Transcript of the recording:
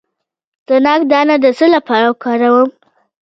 د ناک دانه د څه لپاره وکاروم؟